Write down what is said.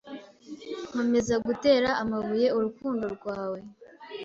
nkomeza gutera amabuye urukundo rwawe